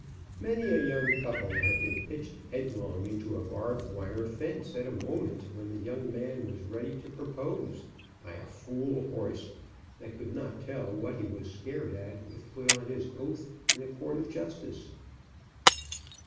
Many a young couple have been pitched headlong into a barbed wire fence at a mo He can attend strictly to the girl. ment when the young man was ready to propose, by a fool horse, that could not tell what he was scared at if put on his oath in a court of justice.